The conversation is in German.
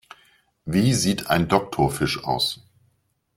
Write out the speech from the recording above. Wie sieht ein Doktorfisch aus?